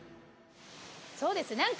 そうですね何か。